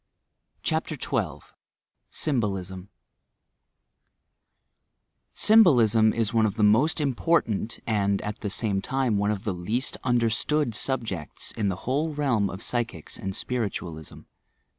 ' CHAPtBR XII SYMBOLISM Symbolism is one of the most important and at the same time one of the least understood subjects in the whole realm of psychics and spiritualism.